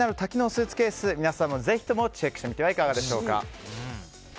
スーツケース皆さんもぜひともチェックしてみてはいかがでしょうか。